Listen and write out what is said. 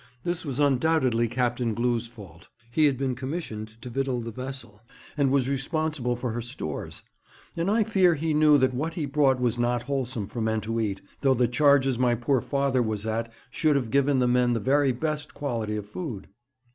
This was undoubtedly Captain Glew's fault. He had been commissioned to victual the vessel, and was responsible for her stores, and I fear he knew that what he bought was not wholesome for men to eat, though the charges my poor father was at should have given the men the very best quality of food.